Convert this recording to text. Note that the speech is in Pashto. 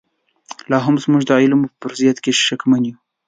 لاهم موږ د علومو په فرضیت کې شکمن یو.